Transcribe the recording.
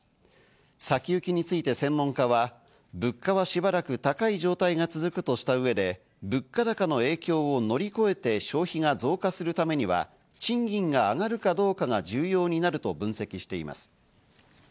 先行きについて専門家は、物価はしばらく高い状態が続くとした上で物価高の影響を乗り越えて消費が増加するためには賃金が上がるかどうかが重要になると分析しています。